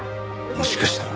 もしかしたら。